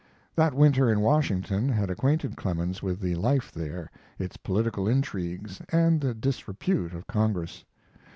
That winter in Washington had acquainted Clemens with the life there, its political intrigues, and the disrepute of Congress.